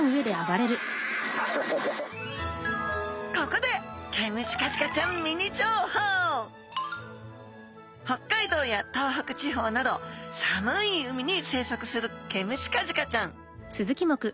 ここで北海道や東北地方など寒い海に生息するケムシカジカちゃん。